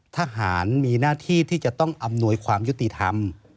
ทหารมีหน้าที่ที่จะต้องอำนวยความยุติธรรม